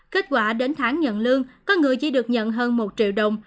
kết quả đến tháng nhận lương con người chỉ được nhận hơn một triệu đồng